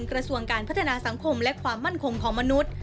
กระทรวงการพัฒนาสังคมและความมั่นคงของมนุษย์